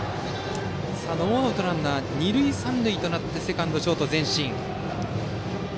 さあ、ノーアウトランナー、二塁三塁となってセカンド、ショートは前進。